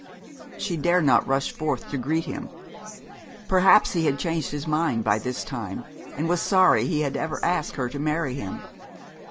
She dare not rush forth to greet him. Perhaps he had changed his mind by this time, and was sorry he had ever asked her to marry him.